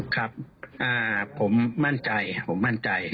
ครับผมมั่นใจ